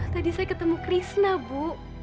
tadi saya ketemu krisna ibu